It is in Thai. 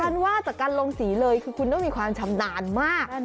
ว่าจากการลงสีเลยคือคุณต้องมีความชำนาญมาก